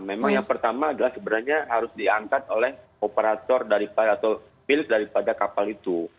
memang yang pertama adalah sebenarnya harus diangkat oleh operator atau pil daripada kapal itu